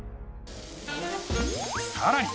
さらに